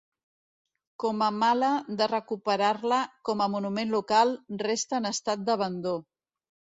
Comamala de recuperar-la com a monument local, resta en estat d'abandó.